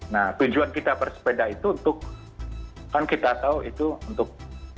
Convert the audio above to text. nah tujuan kita bersepeda itu untuk kan kita tahu itu untuk